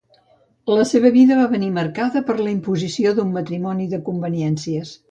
La seva vida va venir marcada per la imposició d'un matrimoni de conveniències.